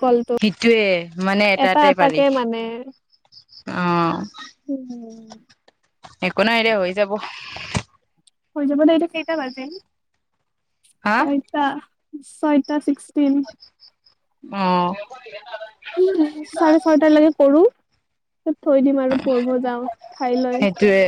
কলটো সেইটোৱে মানে এটা এটাটেই এটাকে বাৰি মানে অ [unintelligible] একো নাই দেহ হৈ যাব [unintelligible] হৈ যাব দে এইটো কেইটা বাজিল হা ছয়তা চয়টা চিক্স উম অ চাৰে ছয়টাৰ লগে কৰো থুত থৈ দিম আৰু পঢ়িব যাওঁ খাই লৈ সেইটোয়ে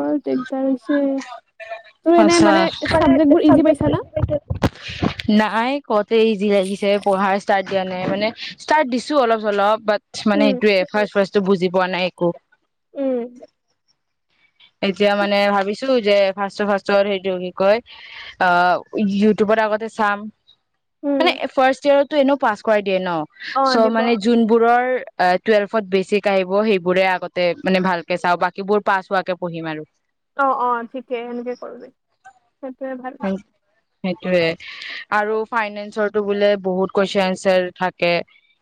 বৰ দিগদাৰ হৈছে তোৰ এনে আছোঁ মানে আহ চাবজেক্ট বোৰ ইজি পাইছা না? নাই কতে ইজি লাগিছে পঢ়াৰ ষ্টাৰ্ দিয়া নাই মানে ষ্টাৰ্ট দিছো অলপ অলপ মানে উম এইটোৱে ফ বাত বুজি পোৱা নাই একো ব উম এতিয়া মানে ভাবিছো যে ফাৰ্ষ্ট ফাৰ্ষ্ট ৰ সেইটো কি কয় অ ইউটিউবৰ আগতে চাম উম মানে ফাৰ্ষ্ট ইয়াৰত ত এনেও পাছ কৰাই দিয় ন অ চ' দিব মানে যোনবোৰৰ অ টুৱেলভত বেচিক আহিব সেইবোৰে আগতে মানে ভালকে চাওঁ বাকীবোৰ পাছ হোৱাকে পঢ়িম আৰু অ অ ঠিকেই সেনেকে কৰ সেইটোয়েই ভাল সেইটোয়ে আৰু ফাইনেন্সৰটো বোলে বহুত কুৱেশন এনচাৰ থাকে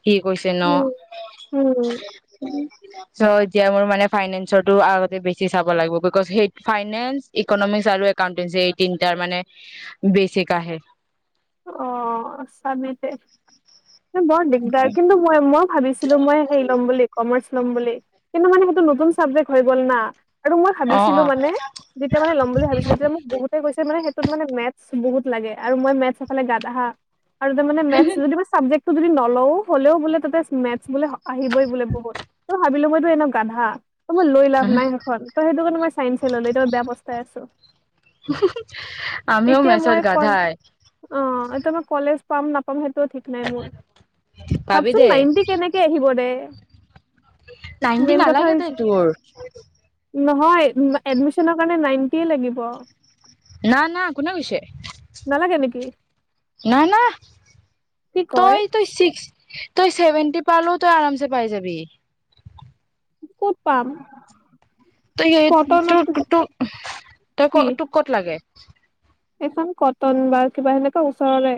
কি কৈছে ন উম উম চ' এতিয়া মোৰ মানে ফাইনেন্সো আগতে বেছি চাব লাগিব বিকজ সেই ফাইনেন্স ইকনমিক্স আৰু একাউটেঞ্চি এই তিনিটা তাৰ মানে বেচিক আহে অ চামিতে বৰ দিগদাৰ কিন্তু মই মই ভাবিছিলো মই হেৰি ল'ম বুলি কমাৰ্চ লম বুলি কিন্তু মানে সেইটো নতুন চাবজেক্ হৈ গ'ল না আৰু মই অ ভাবিছিলো অ মানে যেতিয়া মানে ল'ম বুলি ভাবিছিলো তেতিয়া মোক বহুতে কৈছে মানে সেইটোত মানে মেটছ বহুত লাগে আৰু মই মেটছ ইফালে গাধা‌ আৰু তাৰ মে মেটছ যদি মই চাবজেক্ট ত যদি নলও হলেও বোলে তাতে মেটছ বোলে আহিবই বোলে বহুত ত' ভাবিলো মইতো এনে গাধা অ মই লৈ লাভ নাই সেইখন তই সেইটো কাৰণে মই চাইন্স এ ললো এতিয়া মই বেয়া পচটাই আছো আমিও এতিয়া মেছত মই কল গাধাই অ এতিয়া মই কলেজ পাম নাপাম সেই ঠিক নাই মোৰ পাবি ভাবচোন দে নাইনটি কেনেকে আহিব দে নাইনটি নালাগে দে তোৰ নহয় এদমিচনৰ কাৰণে নাইনটি কি লাগিব ন না কোনে কইছে নালাগে নেকি? নাই নাই কি কয় তই তই চিক্স তই ছেভেনটি পালো তই আৰমছে পাই যাবি ক পাম তই স কটনত তোক তোক তই ক তোক ক'ত লাগে এইখন কটন বা কিবা হেনেকুৱা ওচৰৰে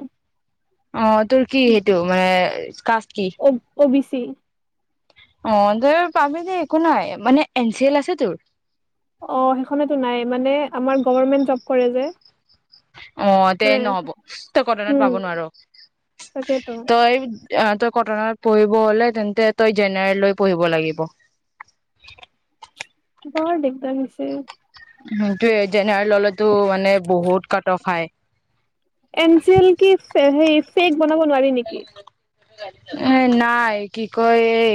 অ তোৰ কি সেইটো মানে কা অ অ বিশ জি অ তই পাবি দে একো নাই মানে এন চি এল আছে তোৰ অ সেইখনেতো নাই মানে আমাৰ গভমেন্ট জব কৰে যে অ তে মানে নহ'ব তই কটনত উম পাব নোৱাৰ তাকেতো তই এই অ তই কটনত পঢ়িব হলে তেন্তে তই জেনেৰে লৈ পঢ়িব লাগিব বৰ দিগদাৰ হৈছে স জেনেৰেল হলেটো মানে বহুত কাটঅফ সাই চেক বনাব নোৱাৰি নেকি এ নাই কি কয় এই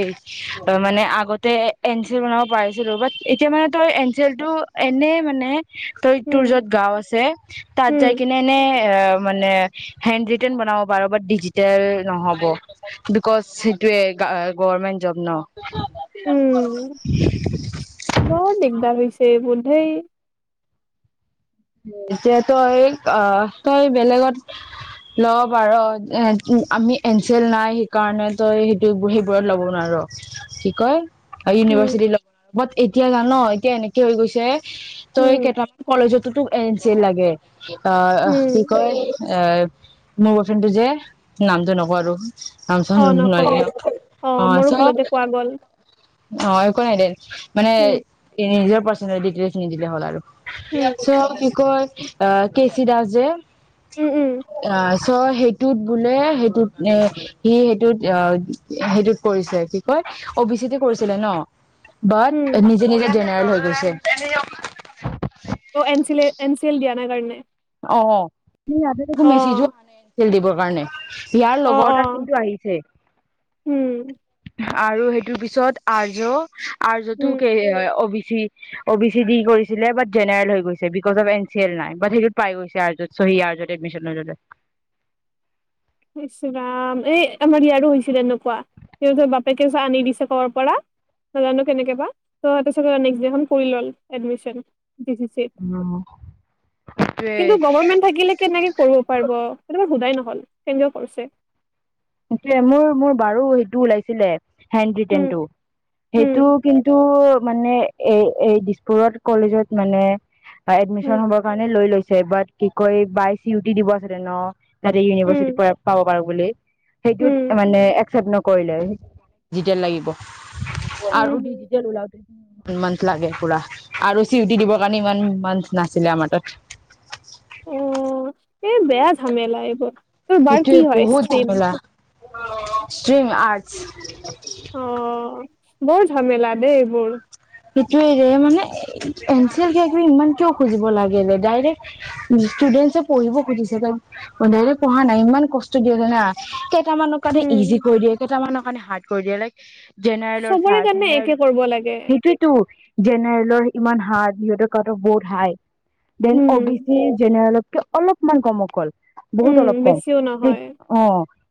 মানে আগতে এনচেল বনাব পাৰিছিলো ব এতিয়া মানে তই এনচেল টো এনে মানে তই তোৰ উম য'ত গাও আছে তাত উম যাই কিনে এনে এ মানে হেণ্ডঋতেন বনাব পাৰ বা ডিজিটেল নহ'ব বিকজ সেইটোয়ে গভমেন্ট জব ন উম বৰ দিগদাৰ হৈছে এই বুলি ঢুই এতিয়া তই তই বেলেগত লব পাৰ আমি এনচেল নাই সেইকাৰণেটো সেইটো সেইবোৰত ল'ব নোৱাৰো কি কয় উম ইউনিভৰ্ছিটি ল বাট এতিয়া জান এতিয়া এনেকে হৈ গৈছে ত এই উম কেইটা কলেজত কিটো এন চি ল লাগে অ উম কি কয় এ মোৰ বৰ বইফ্ৰেণ্ডটো যে নামটো নকওঁ আৰু চ অ ন নকবি অ মোৰো চব ভুলতে কোৱা গ'ল অ একো নাই দে মানে উম নিজৰ চিন নি দিলে হ'ল আৰু উম চ কি কয় অহ টো ছিৰাজ যে উম উম অ চ সেইটোত বোলে সেইটোত এ সি সেইটোত সেইটোত কৰিছে কি কয় অ বি চিটো কৰিছিলে ন উম বাট নিজে নিজে খাল হৈ গৈছে অ চিলে এন চি এল দিয়া নাই কাৰণে অ নি আতে দে অ কমেচি য আ ন তেল দিবৰ কাৰণে ইয়াৰ অ লগৰ অ এটা কিন্তু আহিছে উম আৰু সেইটোৰ পিছত আৰ্য আৰু য'তো‌‌ উম হেৰি হয়, ক'বি। অ বি চি দি কৰিছিলে, বাট জেনেৰেল হৈ গৈছে, because of N C L নাই। সেইটো পাই গৈছে আৰু যত চহী আৰু যত এডমিশ্যন যতে ইচ্ ৰাম! এই আমাৰ ইয়াৰো হৈছিল এনেকুৱা, তেওঁ যে, বাপেকে যে আনি দিছে কৰবাৰ পৰা নাজানো কেনেকে বা, তাৰ পৰা নেক্সট দিনা কৰি ল'লে এডমিশ্যন। সেইটোৱে কিন্তু গভমেন্ট থাকিলে কেনেকে কৰিব পাৰিব, সেইটো বাৰু সোধাই নহ'ল। হ'ল। [unintelligible] কৰিছে সেইটোয়ে, মোৰ, মোৰ বাৰোঁ সেইটো ওলাইছিলে। উম হেণ্ডৰিটনটো, সেইটো উম কিন্তু মানে এ, এই দিছপুৰত, কলেজত মানে অ উম এডমিশ্যন হবৰ কাৰণে লৈ লৈছে বাট কি কয়, বায়ে চি উ ই টি দিব আছে ন। তাতে ইউনিভাৰ্চিট উম পৰা পাব পাৰো বুলি সেইটোত উম মানে একচেপ্ট ন কৰিলে, যতিয়া লাগিব উম আৰু উম। ডিজিটেল ওলাব ইমান মান্থ লাগে পুৰা, আৰু চি উ ই টি দিবৰ কাৰণে ইমান মান্থ নাছিলে আমাৰ তাত। অ এই বেয়া ঝামেলা এইবোৰ তোৰ বাৰ কি হয়? ষ্ট্ৰ্ৰীম! ষ্ট্ৰ্ৰীম আৰ্টছ অ বৰ ঝামেলা দেই এইবোৰ। সেইটোৱেই ৰে! মানে, এন চি এল, কিবা কিবি ইমান কিয় খুজিব লাগে মানে? ডাইৰেক্ট ষ্টুডেন্টছে পঢ়িব খুজিছে, তো, ডাইৰেক্ট পঢ়া নাই, ‌ ইমান কষ্ট দিয়ে জানা? কেইটামানৰ কাৰণে উম ইজি কৰি দিয়ে, কেইটামানক মানে হাৰ্ড কৰি দিয়ে লাইক জেনেৰেলৰ চা চবৰে কাৰণে জেনেৰেল একে কৰিব লাগে সেইটোৱেতো জেনেৰেলৰ ইমান হাৰ্ড, সিহঁতৰ কাট অফ বহুত high. Then um O B চিৰ জেনেৰেলত অলপমান কম অকল বহুত উম অলপ কম, বেছিও নহয় অ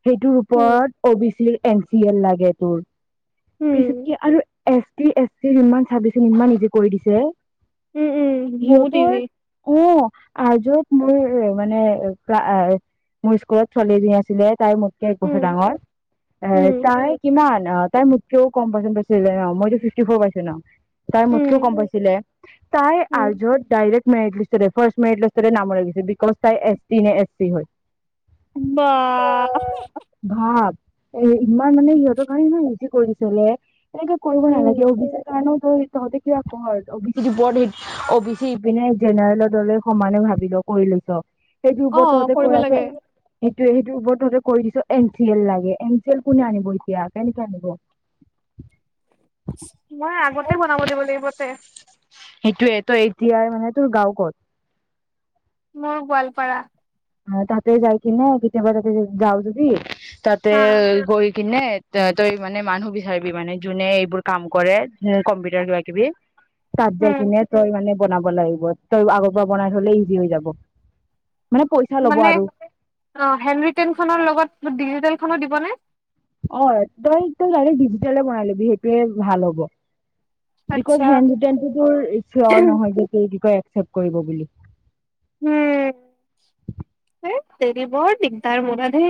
সেইটোৰ উম ওপৰত অ বি চিৰ এন চি এল লাগে তোৰ উম পিছতকে আৰু এছ চি, এছ টি ৰ ইমান চাবিচোন ইমান নিজে কৰি দিছে উম উম বহুত সিহঁতৰ ইজি ক আ যত মোৰ মানে ক্া মোৰ স্কুলত ছালীজন আছিলে তাইৰ মোতকে এক বছৰ উম ডাঙৰ এ উম তাই কিমান অ তাই মোকও কম পাৰ্চে পাইে মইতো ফিফ ফৰ পাইছো ন তাই উম মোতকেও গম পাইছিলে তাই আ উম যত ডাইৰেক্ট ফৰ্ষ্ট মেটলষ্ট নাম ল গৈছে বিক'জ তাই এছ নে এছি হয় বা ভাব এ ইমান মানে সিহঁতৰ কাৰণে ইমান ইজি কৰিছিলে এনেকে কৰিব উম নালাগে অভি কাৰণও ত তহঁতে কিবা ক অ বি চি টো ব অ বি চি ইপিনে জেনেৰেলৰ দলে সমানে ভাবি ল কৰি লৈছ সেইটো অ উপৰত তহঁতে কৰিব কৈ আছো লাগে ত সেইটো ওৰত তহঁতে কৈ দিছ এন চি এল লাগে এন চি এল কোনে আনিব এতিয়া কেনেকে আনিব ম আগতে বনাব দিব লাগিবতে সেইটোয়ে তই এতিয়য়া মানে তোৰ গাও ক'ত মোৰ গোৱালপাৰা অ ততে যাইকনে কেতিয়াবা ততে যা যদি তাতে হা গৈ কিনে ত তই মানে মানুহ বিচাৰিবি মানে যোনে এইবোৰ কাম কৰে কম্পিউটাৰ কিবা কিবি তাত যাই উম কিননে তই মানে বনাই আগৰ বনাই থি হৈ যাব মান মানে অ হেনৰিটন খনৰ লগত ডিজিেল খনো দিবনে অ তই তই ডাইৰে্ ডিজিটলে বনাই লবি সেইটোৱে ভাল হ'ব আচ্ছা বিকজ হেণ্টনটো তোৰ চিয়ৰ নহয় যে কি কয় এক্সেপ কৰিব বুলি উম দেৰিবত দিগদাৰ মৰাতেে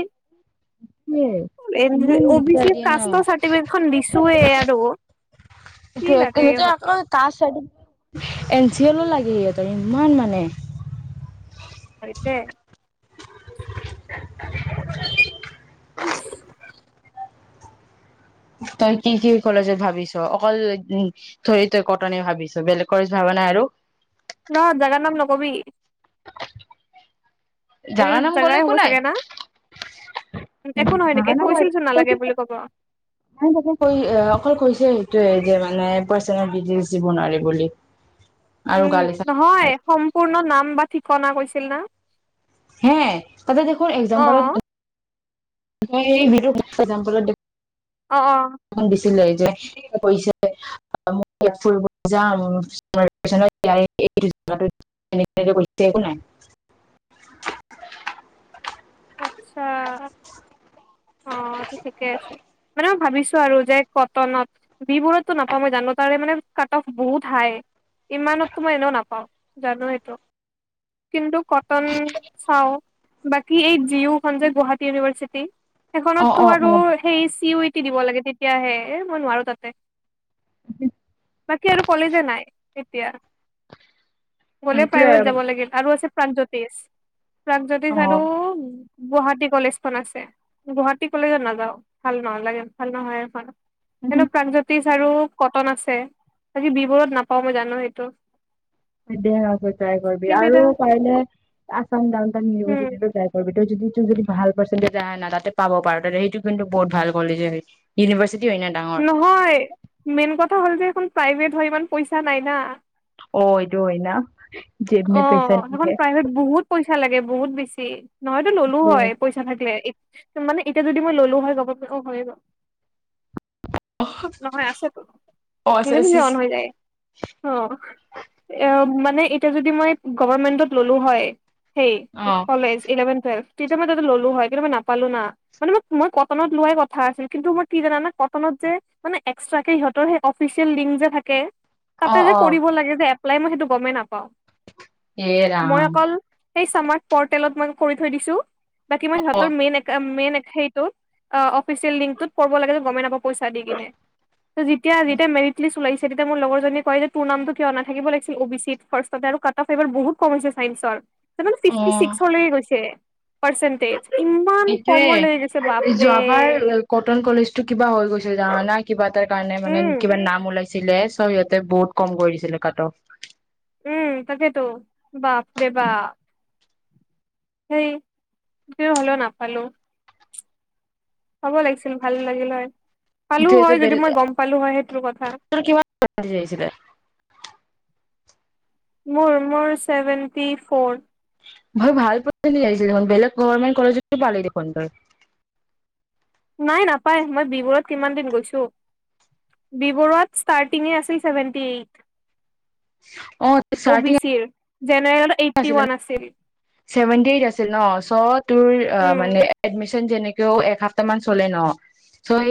স ইমান চি দিগদাৰ দিয়ে ন কাষ্টৰ ন চাৰ্টিফিকেটখন আকৌ দিছোয়ে আৰু কি লাগে ইহঁতক কাষ্ট চাৰ্টিফিকেট এন চি এলৰ লাগে সিহঁতৰ ইমান মানে হয়তে অ অ উম তই কি কি কলেজত যে ভাবিছ অকল উ ধৰি তই কটনি ভাবিছ বেলেগ ভাবা নাই আৰু নহ জগাৰ নাম নকবি [unintelligible] নাম [unintelligible] একো নহয় নেকি কৈছিল চোন নালাগে বুলি কব তাকে কৈ অকল কৈছে [unintelligible] উম গালি চালি নহয় সম্পূৰ্ণ নাম বা ঠিকনা কৈছিল ন হে তাতেই দেখোন এক্সাম্পলত [unintelligible] অঁ অঁ অঁ [unintelligible] আচ্ছা অ এইটো ঠিকে আছে মানে মই ভাবিছো আৰু যে কটনত মানে ম ই ভাবিছো বিবোৰতটো নাপাওঁ মই জানো তাৰে মানে কাট অফ বহুত হাই ইমানতো মই এনেও নাপাওঁ জানো সেইটো কিন্তু কটন চাওঁ বাকী এই জিঅওখন যে গুৱাহাটী ইউনিভাৰ্চিটি অ সেইখনত তো অ অ আৰু সেই চি উ কি দিব লাগে তেতিয়াহে এ মই নোৱাৰো তাতে [unintelligible] বাকী আৰু কলেজে নাই তেতিয়া গলে প্ৰাইভত সেইটোয়ে যাব লাগে আৰু আছে প্ৰাগজ্যোতিষ প্ৰাগজ্যোতিষ আৰু অ', গুৱাহাটী কলেজখন খন আছে গুৱাহাটী কলেজত নাযাওঁ, ভাল নালাগে, ভাল নহয এইখন ভাল নহয়ে ভাল এন প্ৰণজ্যোতি আৰু কটন আছে বাকী বি বৰুৱাত নাপাও মই জানো সেইটো। দে আৰু তই ট্ৰাই কৰিবি, কিন্তু আৰু এতিয়া পাৰিলে আছাম ডাউন টাউনটেন উম ইউনিভাৰ্চিটিটো ট্ৰাই কৰিবি, ত যদি তোৰ যদি ভাল পাৰন্টী আহে না তাতে পাব পাৰ সেইটো কিন্তু বহুত ভাল কলেজ হয় ইউনিভাৰ্চিটি হয় না ডাঙৰ নহয় মেইনকত এইখন হ'ল যে খন প্ৰাইভেট হয় ইমান পইচা নাই না অ এইটো হৈ না জেব অ মে পইচা নেহি সেইখন হে প্ৰাইভেট বহুত পইচা লাগে অ বহুত বেছি নহয়তো ল'লো হয় সেইটোৱে। পইচা থাকিলে ই মানে এতিয়া যদি মই ললো হয় কব পাৰি অঁ হয় গল নহয় আছেতো অ', চে নিজে নিজে চে অন হৈ যায় অ এ [unintelligible] এতিয়া যদি মই গভমেন্টত ল'লো হয় সেই অ', কলেজ ইলেভেন টুৱেলভ কেইটামান যদি ললোঁ হয় কিন্তু মই নাপালো না মানে মোক কিন্তু মোৰ কটনৰ কি হ'ল জানা মানে এক্সটাৰকেথাকে তাতে অ', যে অ', কৰিব লাগে যে নাই মই সেইটো গমেই নাপাওঁ এইৰা মই অকল সেই চামাৰ্ট পৰ্টেলত মই কৈ থৈ দিছোঁ বাকী মই সিহঁতৰ অ', মেইন মেইন সেইটো অ অ অফ হৈছে লিংগটো গমেই নাপাওঁ পইচা দি পিনে যেতিয়া যেতিয়া মেনিফিচ কৰি ওলাইছে যেতিয়া মোৰ লগৰজনিয়ে কয় যে তোৰ নামটো কিয় নাথাকিব লাগিছিল তাতে আৰু কটা ফেভাৰ বহুত কম হৈছে ছাইনচৰ তাৰমানে ফিফটি অ', ছিক্স হৈয়েই গৈছে পাৰ্চেন্টেজ ইমান কমলৈ গৈছে সেইটোয়ে বাপৰে যোৱাবাৰ কটন কলেজতো কিবা হৈ গৈছে যা নন কিবা এটা কাৰণে মানে উম কিবা নাম ওলাই ছিলে চ' সিহঁতে বহুত কম কৰি দিছিলে কাট অফ উম তাকেতো বাপৰে বা সেই ক হলেও নাপালোঁ হ'ব লাগিছিল ভাল লাগিল হয় পালো এইটো এটা হয় যদি বেলেগ মই গম পালো হয় সেইটো কথা কিমান আহিছিলে মোৰ মোৰ ছেভেণ্টি ফৰ মই ভাল পাই আহিছিলোঁ বেলেগ গভমেট কলেজ পালে দেখোন তই নাই নাপায় মই বিবৰুত কিমান দিন গৈছো বিবৰুৱত ইচটাৰটিং আছিল ছেভেনটি অ চাৰট জেনেৰেলত এইটটি ওৱান আছিল ছেভেটি আছিল ন চ' তোৰ উম মানে এডমিচন ক একসপ্তাহ মান চলে ন চ'